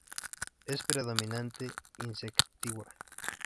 Es predominantemente insectívora.